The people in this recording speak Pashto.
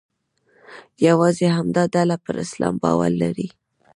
یوازې همدا ډله پر اسلام باور لري.